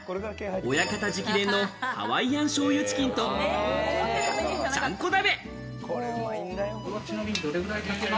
親方直伝のハワイアン醤油チキンとちゃんこ鍋。